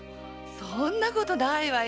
そんなことないわよ！